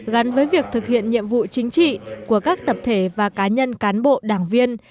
gắn với việc thực hiện nhiệm vụ chính trị của các tập thể và cá nhân cán bộ đảng viên